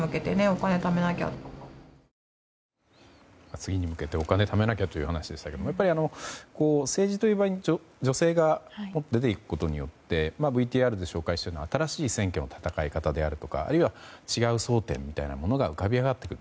次に向けてお金をためなきゃという話でしたけど政治という場に女性が出て行くことによってＶＴＲで紹介したような新しい選挙の戦い方であるとかあるいは違う争点みたいなものが浮かび上がってくる。